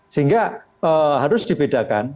sehingga harus dibedakan